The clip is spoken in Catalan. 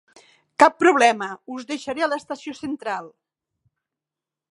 Cap problema, us deixaré a l'estació central.